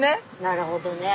なるほどね。